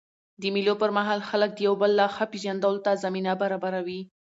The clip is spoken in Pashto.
د مېلو پر مهال خلک د یو بل لا ښه پېژندلو ته زمینه برابروي.